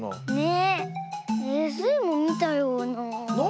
えっスイもみたような。